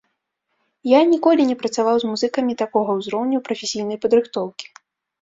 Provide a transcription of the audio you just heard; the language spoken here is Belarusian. Я ніколі не працаваў з музыкамі такога ўзроўню прафесійнай падрыхтоўкі.